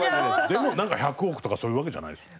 でも１００億とかそういうわけじゃないですよね。